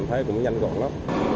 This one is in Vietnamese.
thấy cũng nhanh gọn lắm